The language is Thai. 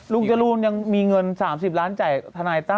จรูนยังมีเงิน๓๐ล้านจ่ายทนายตั้